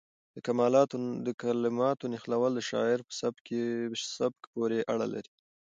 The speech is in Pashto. د کلماتو نښلول د شاعر په سبک پورې اړه لري.